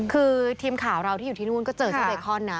คือทีมข่าวเราที่อยู่ที่นู่นก็เจอเจ้าเบคอนนะ